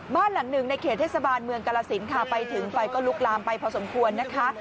บ้านหลังหนึ่งในเขตเทศบาลเมืองกาลสินค่ะไปถึงไฟก็ลุกลามไปพอสมควรนะคะ